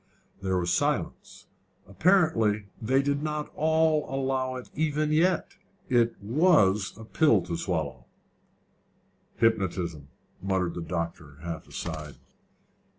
There was silence. Apparently they did not all allow it even yet: it was a pill to swallow. "Hypnotism," muttered the doctor, half aside.